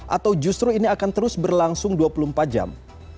atau justru ini akan terus berlangsung dua puluh empat jam